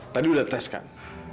tadi udah tes kan